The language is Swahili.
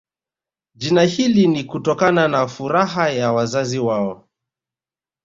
Jina hili ni kutokana na furaha ya wazazi wao